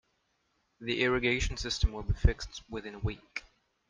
The irrigation system will be fixed within a week.